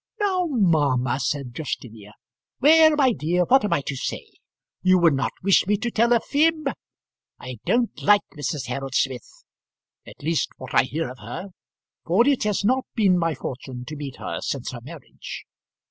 "Now, mamma " said Justinia. "Well, my dear, what am I to say? You would not wish me to tell a fib. I don't like Mrs. Harold Smith at least, what I hear of her; for it has not been my fortune to meet her since her marriage.